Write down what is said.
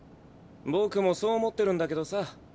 僕もそう思ってるんだけどさ